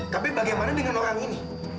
tapi bagaimana dengan orang ini